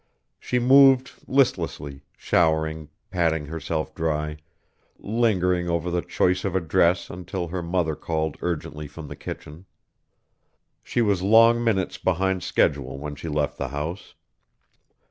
She moved listlessly, showering patting herself dry, lingering over the choice of a dress until her mother called urgently from the kitchen. She was long minutes behind schedule when she left the house.